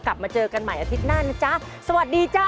กลับมาเจอกันใหม่อาทิตย์หน้านะจ๊ะสวัสดีจ้า